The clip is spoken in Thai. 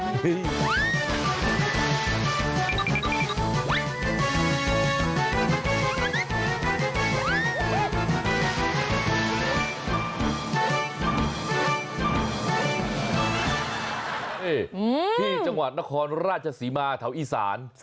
นี่ที่จังหวัดนครราชศรีมาแถวอีสาน